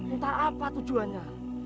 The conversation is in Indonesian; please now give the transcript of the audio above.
entah apa tujuannya